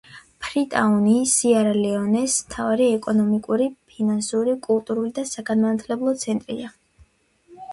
ფრიტაუნი სიერა-ლეონეს მთავარი ეკონომიკური, ფინანსური, კულტურული და საგანმანათლებლო ცენტრია.